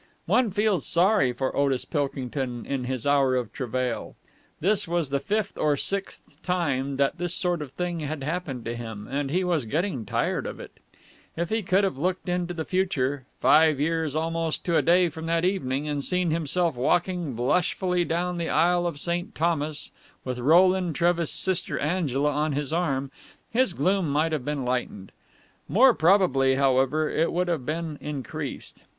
One feels sorry for Otis Pilkington in his hour of travail. This was the fifth or sixth time that this sort of thing had happened to him, and he was getting tired of it. If he could have looked into the future five years almost to a day from that evening and seen himself walking blushfully down the aisle of St. Thomas' with Roland Trevis' sister Angela on his arm, his gloom might have been lightened. More probably, however, it would have been increased.